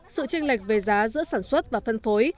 sự tranh lệch về giá giữa sản xuất và phân phối